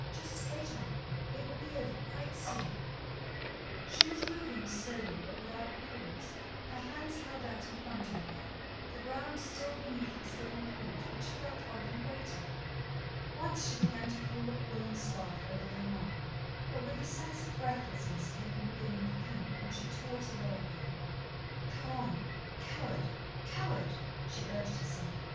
Just straight on it will be over quite soon " She was moving, slowly, but without pause, her hands held out in front of her, the ground still beneath her slipping feet, which felt oddly weighted. Once she began to pull the woollen scarf over her mouth, but with the sense of breathlessness came the beginning of panic, and she tore it away again. "Go on coward coward," she urged herself.